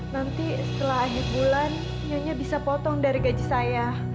nanti setelah akhir bulan nyonya bisa potong dari gaji saya